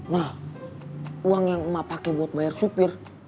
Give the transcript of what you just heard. nah uang yang emak pakai buat bayar supir